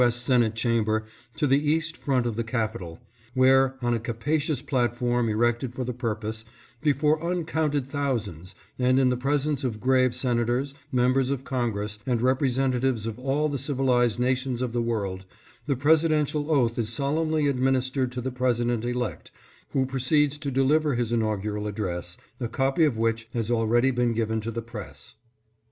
S. Senate Chamber to the east front of the Capitol, where, on a capa cious platform erected for the purpose, before uncounted thousands and in the presence of grave Senators, Mem bers of Congress and representatives of all the civilized nations of the world, the presidential oath is solemnly administered to the President elect, who proceeds to deliver his inaugural address, a copy of which has already INAUGURATION OF PRESIDENT GARFIELD. 627 been given to the press.